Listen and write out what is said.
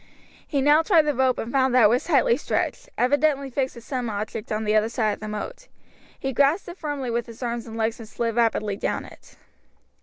He now tried the rope and found that it was tightly stretched, and evidently fixed to some object on the other side of the moat. He grasped it firmly with his arms and legs and slid rapidly down it.